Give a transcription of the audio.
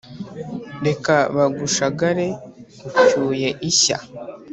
reka bagushagare ucyuye ishya.